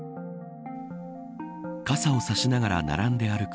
傘を差しながら、並んで歩く